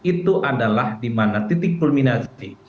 itu adalah dimana titik kulminasi